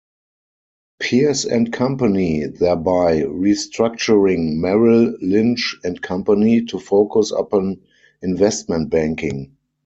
Pierce and Company, thereby restructuring Merrill Lynch and Company to focus upon investment banking.